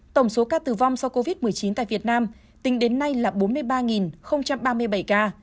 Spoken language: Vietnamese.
tổng số ca tử vong do covid một mươi chín tại việt nam tính đến nay là bốn mươi ba ba mươi bảy ca